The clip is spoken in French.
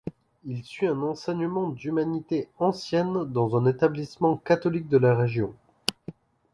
Il suit un enseignement d'humanités anciennes dans un établissement catholique de la région.